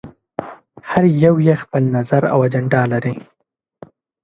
هر يو یې خپل نظر او اجنډا لري.